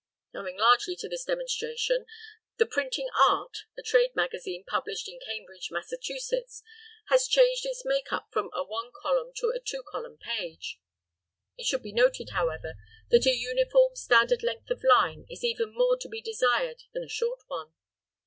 Owing largely to his demonstration, "The Printing Art," a trade magazine published in Cambridge, Massachusetts, has changed its make up from a one column to a two column page. It should be noted, however, that a uniform, standard length of line is even more to be desired than a short one.